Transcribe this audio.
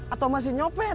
atau masih nyopet